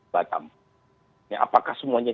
batam apakah semuanya